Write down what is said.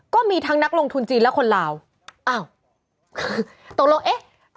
ก็มีทั้งนักลงทุนจีนและคนลาวอ้าวคือตกลงเอ๊ะ